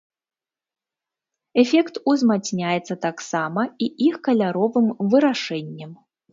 Эфект узмацняецца таксама і іх каляровым вырашэннем.